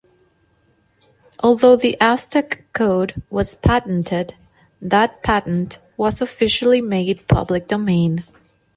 Although the Aztec code was patented, that patent was officially made public domain.